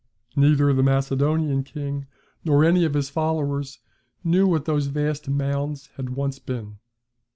Neither the Macedonian king nor any of his followers knew what those vast mounds had once been.